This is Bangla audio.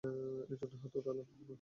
এজন্যই হাত উঠালাম।